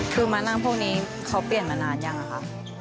คือมานั่งพวกนี้เขาเปลี่ยนมานานยังอะคะ